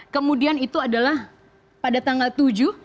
kemudian itu adalah pada tanggal tujuh